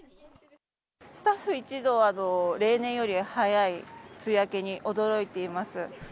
スタッフ一同、例年より早い梅雨明けに驚いています。